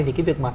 thì cái việc mà